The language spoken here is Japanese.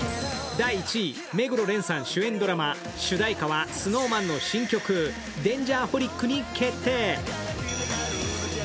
第１位、目黒蓮さん主演ドラマ主題歌はＳｎｏｗＭａｎの新曲「Ｄａｎｇｅｒｈｏｌｉｃ」に決定。